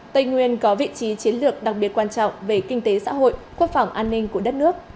tây nguyên có vị trí chiến lược đặc biệt quan trọng về kinh tế xã hội quốc phòng an ninh của đất nước